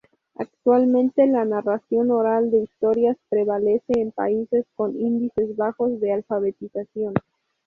Actualmente, la narración oral de historias prevalece en países con índices bajos de alfabetización.